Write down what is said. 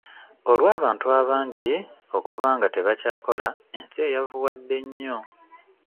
Olw'abantu abangi okuba nga tebakyakola ensi eyavuwadde nnyo.